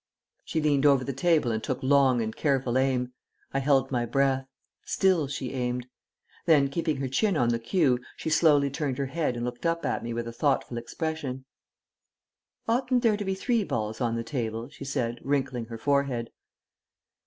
She leant over the table and took long and careful aim. I held my breath.... Still she aimed.... Then, keeping her chin on the cue, she slowly turned her head and looked up at me with a thoughtful expression. "Oughtn't there to be three balls on the table?" she said, wrinkling her forehead.